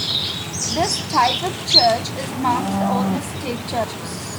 This type of church is amongst the oldest Stave Churches.